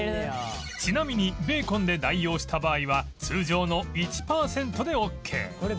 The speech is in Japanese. ちなみにベーコンで代用した場合は通常の１パーセントでオッケー